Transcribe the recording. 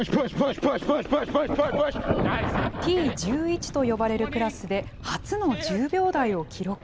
Ｔ１１と呼ばれるクラスで、初の１０秒台を記録。